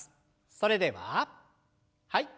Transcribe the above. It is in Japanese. それでははい。